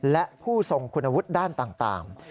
และผู้ทรงคุณวุฒิด้านต่าง